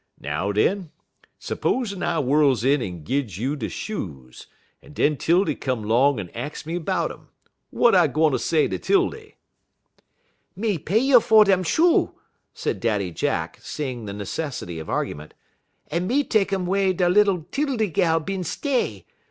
Now den, s'pozen I whirls in en gins you de shoes, en den 'Tildy come 'long en ax me 'bout um, w'at I gwine say ter 'Tildy?" "Me pay you fer dem shoe," said Daddy Jack, seeing the necessity of argument, "un me tek um wey da lil 'Tildy gal bin stay.